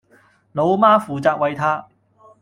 老媽負責餵她